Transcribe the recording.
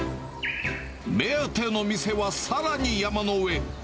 目当ての店はさらに山の上。